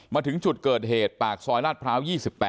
มาถึงจุดเกิดเหตุปากซอยลาดพร้าว๒๘